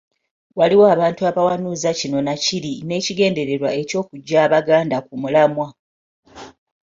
Waliwo abantu abawanuuza kino nakiri n'ekigendererwa ky'okuggya Abaganda ku mulamwa .